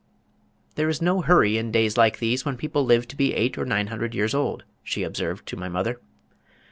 "There is no hurry in days like these when people live to be eight or nine hundred years old," she observed to my mother.